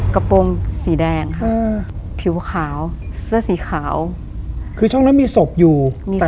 กระโปรงสีแดงค่ะผิวขาวเสื้อสีขาวคือช่องนั้นมีศพอยู่มีแต่